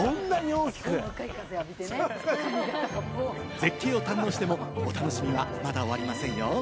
絶景を堪能しても、お楽しみはまだ終わりませんよ。